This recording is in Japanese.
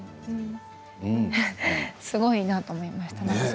すごいなと思いました。